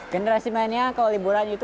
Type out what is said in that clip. generasi mania kalau liburan itu